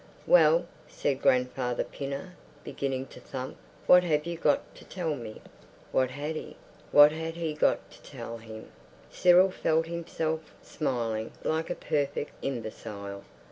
"Well," said Grandfather Pinner, beginning to thump, "what have you got to tell me?" What had he, what had he got to tell him? Cyril felt himself smiling like a perfect imbecile.